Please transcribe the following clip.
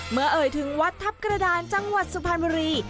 เอ่ยถึงวัดทัพกระดานจังหวัดสุพรรณบุรี